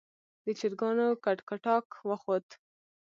د چرګانو کټکټاک وخوت.